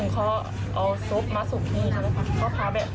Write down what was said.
ขอบคุณครับ